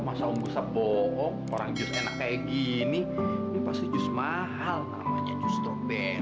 iya masa om gustaf bohong orang jus enak kayak gini ini pasti jus mahal namanya jus strober